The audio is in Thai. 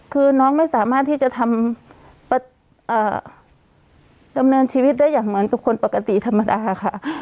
คือน้องไม่สามารถที่จะทำดำเนินชีวิตได้อย่างเหมือนกับคนปกติธรรมดาค่ะ